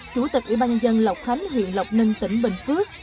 chủ tịch ủy ban dân lộc khánh huyện lộc ninh tỉnh bình phước